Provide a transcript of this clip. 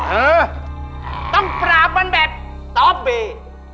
เออต้องปราบมันแบบตอบบี